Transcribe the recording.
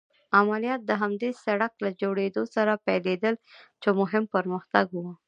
عملیات د همدې سړک له جوړېدو سره پيلېدل چې مهم پرمختګ و.